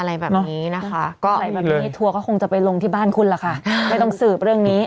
อะไรแบบนี้ทัวก็คงจะไปลงที่บ้านคุณล่ะค่ะไม่ต้องสืบเรื่องนี้